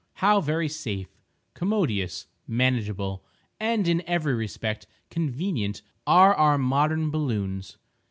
How very safe, commodious, manageable, and in every respect convenient are our modern balloons!